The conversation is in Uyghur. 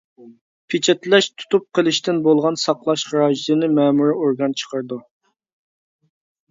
پېچەتلەش، تۇتۇپ قېلىشتىن بولغان ساقلاش خىراجىتىنى مەمۇرىي ئورگان چىقىرىدۇ.